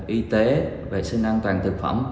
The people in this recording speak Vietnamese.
y tế vệ sinh an toàn thực phẩm